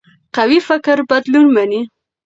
قوي فکر بدلون مني